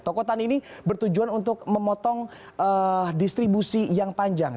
toko tan ini bertujuan untuk memotong distribusi yang panjang